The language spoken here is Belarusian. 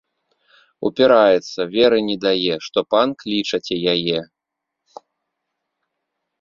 Упіраецца, веры не дае, што пан клічаце яе.